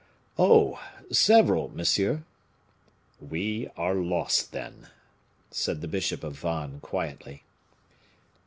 "Oh! several, monsieur." "We are lost, then," said the bishop of Vannes, quietly.